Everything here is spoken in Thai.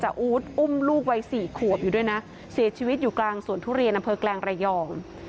แต่อู๊ดอุ้มลูกวัยสี่ขวบอยู่ด้วยนะเสียชีวิตอยู่กลางสวนทุเรียนอำเภอแกลงระยอง